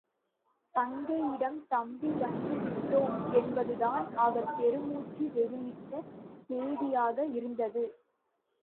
தங்கையிடம் தப்பி வந்துவிட்டோம் என்பதுதான் அவர் பெருமூச்சு வெளியிட்ட சேதியாக இருந்தது.